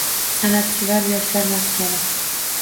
San’atsevar yoshlar maskani